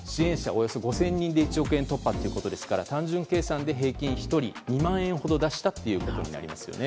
およそ５０００人で１億円突破ということですから単純計算で１人２万円ほど出したということになりますよね。